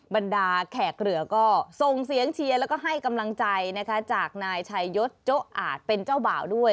บรรดาแขกเหลือก็ส่งเสียงเชียร์แล้วก็ให้กำลังใจนะคะจากนายชัยยศโจ๊อาจเป็นเจ้าบ่าวด้วย